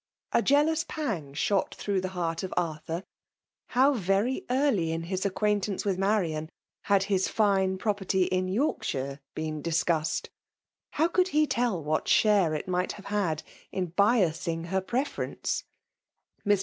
; A je^uspang shot throiigh the heart of Art]iurl How very early in his acquaintance wf^ Marian had hia fine property in York ^hiie boen discussed 1 How could he tell what filiate it might bave had in biaaaing her pte^ fexeti^el "^ 1i(Lr.